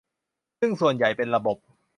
ซึ่งส่วนใหญ่เป็นระบบ